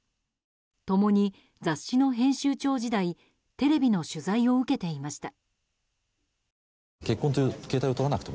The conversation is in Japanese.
共に雑誌の編集長時代テレビの取材を受けていました。